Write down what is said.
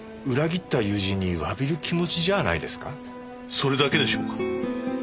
それだけでしょうか？